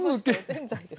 ぜんざいです。